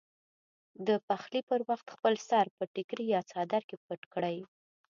د پخلي پر وخت خپل سر په ټیکري یا څادر کې پټ کړئ.